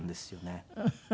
フフフフ。